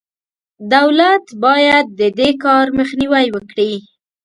دولت باید د دې کار مخنیوی وکړي.